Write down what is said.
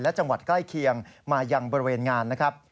และจังหวัดใกล้เคียงมายังบริเวณงานนะครับ